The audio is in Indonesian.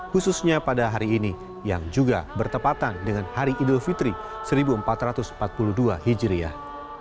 khususnya pada hari ini yang juga bertepatan dengan hari idul fitri seribu empat ratus empat puluh dua hijriah